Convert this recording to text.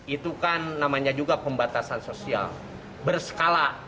itu kan namanya juga pembatasan sosial berskala